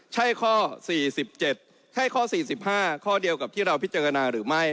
ใช่ข้อ๔๗ใช่ข้อ๔๕ข้อเดียวกับที่เราพิจารณาหรือไม่